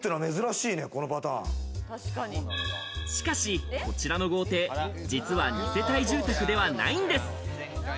しかし、こちらの豪邸、実は二世帯住宅ではないんです。